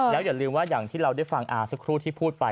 แล้วอย่าลืมว่าอย่างที่เราได้ฟังสักครู่ที่พูดไป